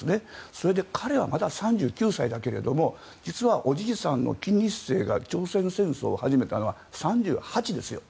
それで彼はまだ３９歳だけども実はおじいさんの金日成が朝鮮戦争を始めたのは３８ですよ。